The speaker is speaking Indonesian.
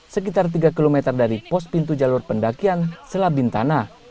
sekitar tiga km dari pos pintu jalur pendakian selabin tanah